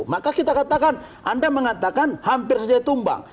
maka kita katakan anda mengatakan hampir saja tumbang